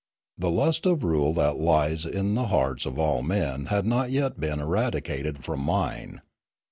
The lust of rule that lies in the hearts of all men had not yet been eradi cated from mine.